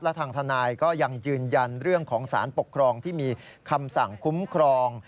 และทางทนายก็ยังยืนยันเรื่องของสารปกครองที่มีคำสั่งคุ้มครอง